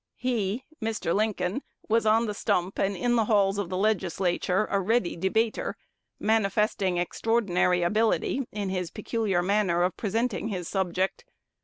"He (Mr. Lincoln) was on the stump and in the halls of the Legislature a ready debater, manifesting extraordinary ability in his peculiar manner of presenting his subject.